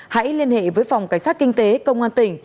hãy liên hệ với phòng cảnh sát kinh tế công an tỉnh